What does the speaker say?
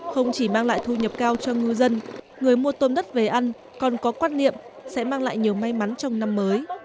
không chỉ mang lại thu nhập cao cho ngư dân người mua tôm đất về ăn còn có quan niệm sẽ mang lại nhiều may mắn trong năm mới